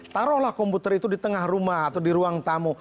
taruhlah komputer itu di tengah rumah atau di ruang tamu